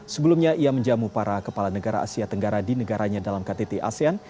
sebelumnya ia menjamu para kepala negara asia tenggara di negaranya dalam ktt asean